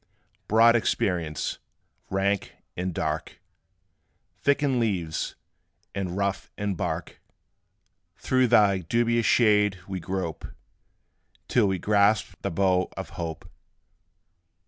Broad Experience, rank and dark; Thick in leaves, and rough in bark; Through thy dubious shade we grope, Till we grasp the bough of Hope.